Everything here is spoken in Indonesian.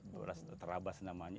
beras terabas namanya